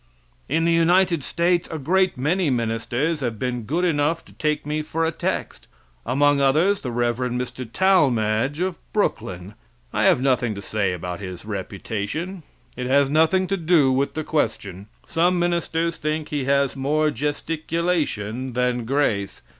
In the United States a great many ministers have been good enough to take me for a text. Among others the Rev. Mr. Talmage, of Brooklyn. I have nothing to say about his reputation. It has nothing to do with the question. Some ministers think he has more gesticulation than grace.